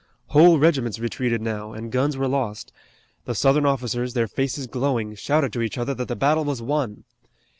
Whole regiments retreated now, and guns were lost. The Southern officers, their faces glowing, shouted to each other that the battle was won.